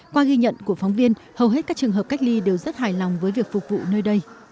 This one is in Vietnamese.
qua ghi nhận của phóng viên hầu hết các trường hợp cách ly đều rất hài lòng với việc phục vụ nơi đây